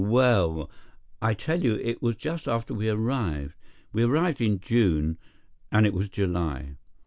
Well, I tell you it was just after we arrived. We arrived in June, and it was July.